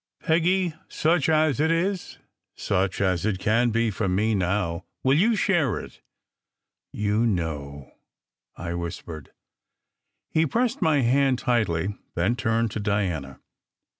Peggy, such as it is, such as it can be for me now, will you share it?" "You know!" I whispered. He pressed my hand tightly, then turned to Diana.